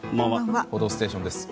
「報道ステーション」です。